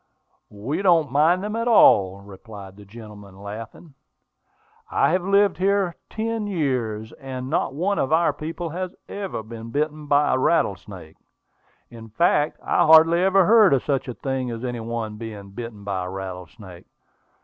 "We don't mind them at all," replied the gentleman, laughing. "I have lived here ten years, and not one of our people has ever been bitten by a rattlesnake. In fact, I hardly ever heard of such a thing as any one being bitten by a rattlesnake.